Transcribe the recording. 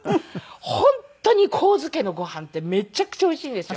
本当に神津家のご飯ってめちゃくちゃおいしいんですよ。